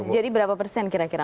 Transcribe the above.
berapa persen kira kira